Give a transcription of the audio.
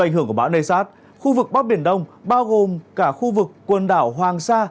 do ảnh hưởng của bão neysat khu vực bắc biển đông bao gồm cả khu vực quần đảo hoàng sa